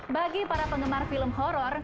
bagi para penggemar film horror